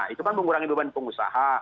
itu kan mengurangi beban pengusaha